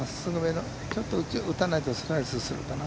打たないとスライスするかな。